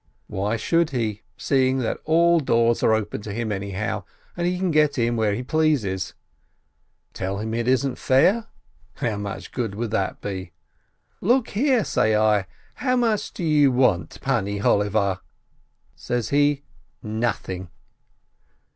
Why should he, seeing that all doors are open to him anyhow, and he can get in where he pleases ? Tell him it isn't fair ? Much good that would be ! "Look here," say I, "how much do you want, Pani Holiava?" Says he, "Nothing!"